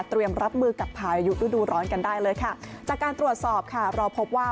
รับมือกับพายุฤดูร้อนกันได้เลยค่ะจากการตรวจสอบค่ะเราพบว่า